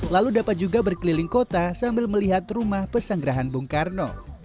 lalu dapat juga berkeliling kota sambil melihat rumah pesanggerahan bung karno